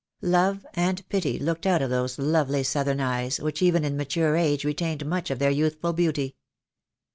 Love and pity looked out of those lovely southern eyes, which even in mature age retained much of their youth ful beauty.